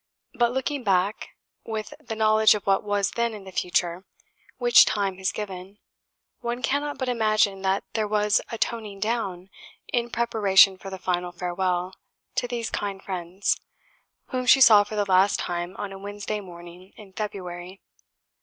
But looking back, with the knowledge of what was then the future, which Time has given, one cannot but imagine that there was a toning down in preparation for the final farewell to these kind friends, whom she saw for the last time on a Wednesday morning in February.